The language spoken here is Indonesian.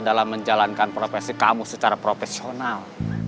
dalam menjalankan profesi kamu secara profesional